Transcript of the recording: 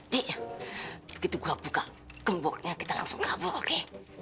dik begitu gue buka gemboknya kita langsung kabur oke